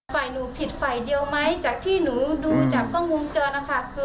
ภายหนูพิดไฟเดียวไหมจากที่หนูดูจากกล้องกองเจอนะคะ